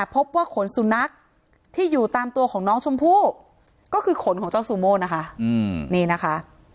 ขนสุนัขที่อยู่ตามตัวของน้องชมพู่ก็คือขนของเจ้าซูโม่นะคะนี่นะคะ